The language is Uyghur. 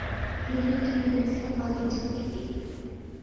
گۈللۈكتە بۈگۈن سەل ئادەم جىقتەك ئىدى.